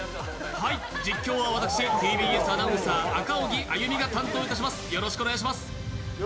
実況は私、ＴＢＳアナウンサー、赤荻歩が担当します。